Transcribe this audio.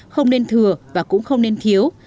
không nên thừa và cũng không nên thiếu